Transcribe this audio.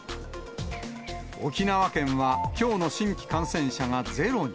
沖縄県はきょうの新規感染者がゼロに。